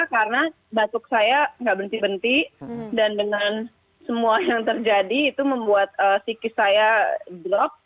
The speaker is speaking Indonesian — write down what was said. karena batuk saya nggak berhenti henti dan dengan semua yang terjadi itu membuat psikis saya block